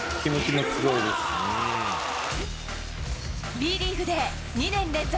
Ｂリーグで２年連続